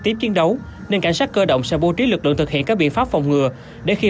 tiếp chiến đấu nên cảnh sát cơ động sẽ bố trí lực lượng thực hiện các biện pháp phòng ngừa để khi